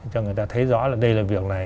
cho người ta thấy rõ là đây là việc này